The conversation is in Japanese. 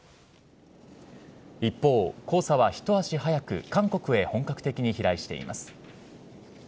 一方、黄砂はひと足早く韓国へ本格的に飛来しています。